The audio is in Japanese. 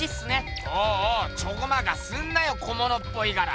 おぉおぉチョコマカすんなよ。小物っぽいから。